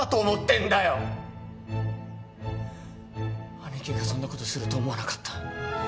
兄貴がそんなことすると思わなかった。